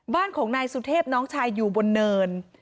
บ้านของนายสุเทพน้องชายอยู่บนเนิน